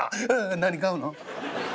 何買うの？」。